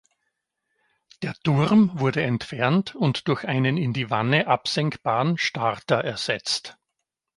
Der Turm wurde entfernt und durch einen in die Wanne absenkbaren Starter ersetzt.